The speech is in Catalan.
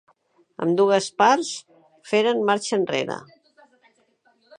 Ambdues parts feren marxa enrere.